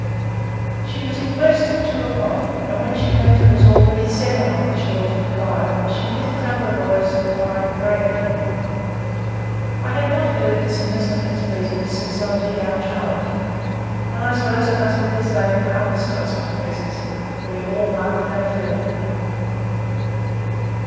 She was in quest of two o'clock; and when she learned it was already seven on the shores of Clyde, she lifted up her voice and cried 'Gravy!' I had not heard this innocent expletive since I was a young child; and I suppose it must have been the same with the other Scotsmen present, for we all laughed our fill.